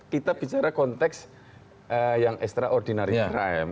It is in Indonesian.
kita bicara konteks yang extraordinary crime